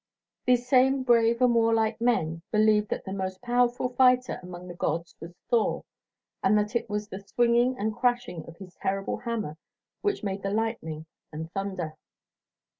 These same brave and warlike men believed that the most powerful fighter among the gods was Thor, and that it was the swinging and crashing of his terrible hammer which made the lightning and thunder.